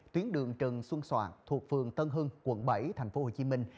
tuyến đường trần xuân soạn thuộc phường tân hưng quận bảy thành phố hồ chí minh